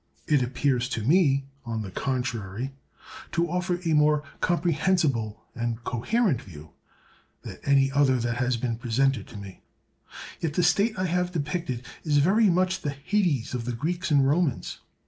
It appears to me, on the contrary, to offer a more comprehensible and coherent view than any other that has been presented to me; yet the state I have depicted is very much the hades of the Greeks and Romans.